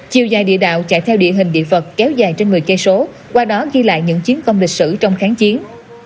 chiều dài địa đạo chạy theo địa hình địa vật kéo dài trên một mươi km qua đó ghi lại những chiến công lịch sử trong kháng chiến